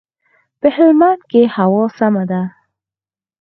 په هلمند کښي هوا سمه ده.